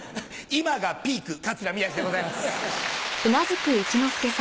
今がピーク桂宮治でございます。